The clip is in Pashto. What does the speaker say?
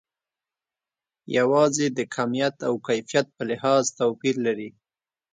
یوازې د کمیت او کیفیت په لحاظ توپیر لري.